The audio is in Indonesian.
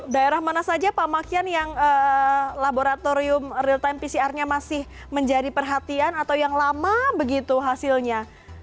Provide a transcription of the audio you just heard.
daerah mana saja pak makian yang laboratorium rt pcrnya masih menjadi perhatian atau yang lama begitu hasilnya